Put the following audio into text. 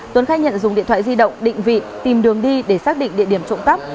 tuấn khai nhận dùng điện thoại di động định vị tìm đường đi để xác định địa điểm trộm cắp